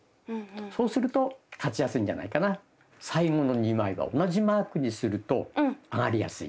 最後の２枚は同じマークにすると上がりやすい。